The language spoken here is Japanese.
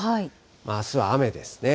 あすは雨ですね。